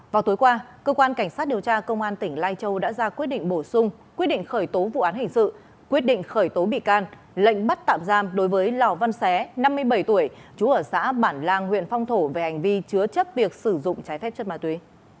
vào tối qua cơ quan cảnh sát điều tra công an tỉnh lai châu đã ra quyết định bổ sung quyết định khởi tố vụ án hình sự quyết định khởi tố bị can lệnh bắt tạm giam đối với lò văn xé năm mươi bảy tuổi chú ở xã bản lang huyện phong thổ về hành vi chứa chấp việc sử dụng trái phép chất ma túy